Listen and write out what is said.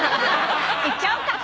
いっちゃおうか。